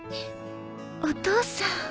お義父さん。